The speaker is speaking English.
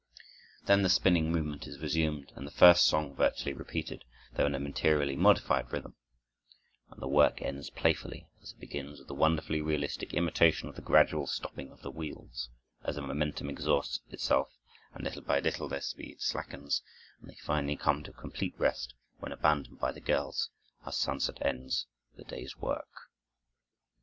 Then the spinning movement is resumed and the first song virtually repeated, though in a materially modified rhythm; and the work ends playfully, as it begins, with a wonderfully realistic imitation of the gradual stopping of the wheels, as their momentum exhausts itself and little by little their speed slackens and they finally come to a complete rest when abandoned by the girls, as sunset ends the day's work.